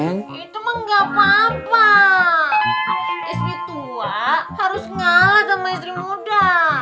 itu mah gapapa istri tua harus ngalah sama istri muda